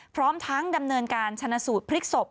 พร้อมทั้งดำเนินการชนะสูตรพลิกศพ